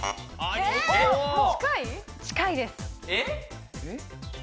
近いです。